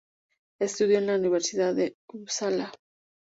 Estudió en la Universidad de Upsala.